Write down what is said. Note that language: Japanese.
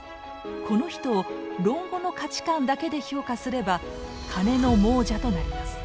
この人を「論語」の価値観だけで評価すれば金の亡者となります。